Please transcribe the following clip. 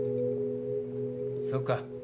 そうか。